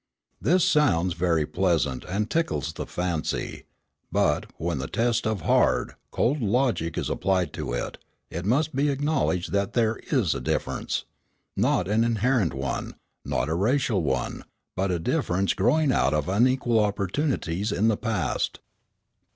This sounds very pleasant and tickles the fancy; but, when the test of hard, cold logic is applied to it, it must be acknowledged that there is a difference, not an inherent one, not a racial one, but a difference growing out of unequal opportunities in the past.